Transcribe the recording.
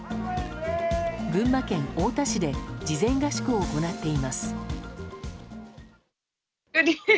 群馬県太田市で事前合宿を行っています。